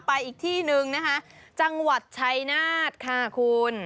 อีกที่หนึ่งนะคะจังหวัดชัยนาธค่ะคุณ